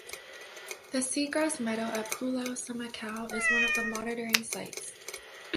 The seagrass meadow at Pulau Semakau is one of the monitoring sites.